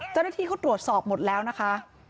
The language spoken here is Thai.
เจ้าหน้าที่เขาตรวจสอบหมดแล้วนะคะ